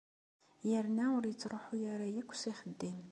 Yerna ur ittṛuḥu ara yakk s ixeddim.